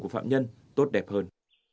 của phạm nhân tốt đẹp hơn